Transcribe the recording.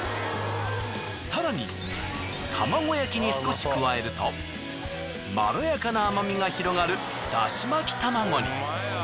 更に卵焼きに少し加えるとまろやかな甘みが広がるだし巻き卵に。